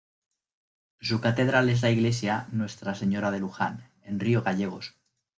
Su catedral es la iglesia "Nuestra Señora de Lujan" en Río Gallegos.